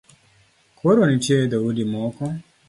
Koro nitie dhoudi moko